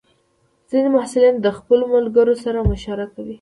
ځینې محصلین د خپلو ملګرو سره مشوره کوي.